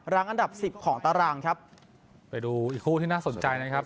อันดับสิบของตารางครับไปดูอีกคู่ที่น่าสนใจนะครับ